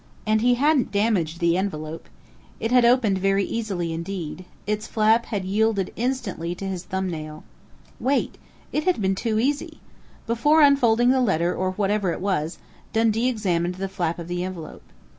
And he hadn't damaged the envelope. It had opened very easily indeed its flap had yielded instantly to his thumb nail.... Wait! It had been too easy! Before unfolding the letter or whatever it was, Dundee examined the flap of the envelope....